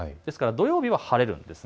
土曜日は晴れるんです。